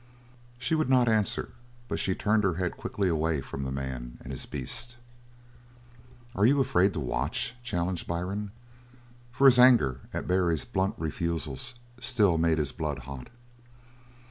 She would not answer, but she turned her head quickly away from the man and his beast. "Are you afraid to watch?" challenged Byrne, for his anger at Barry's blunt refusals still made his blood hot.